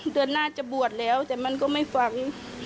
เดือนหน้าจะบวชแล้วแต่มันก็ไม่ฟัง